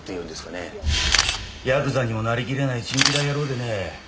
ヤクザにもなりきれないチンピラ野郎でね。